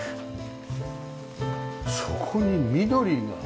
そこに緑が。